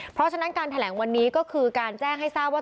เพราะฉะนั้นการแถลงวันนี้ก็คือการแจ้งให้ทราบว่า